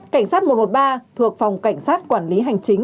cảnh sát một trăm một mươi ba thuộc phòng cảnh sát quản lý hành chính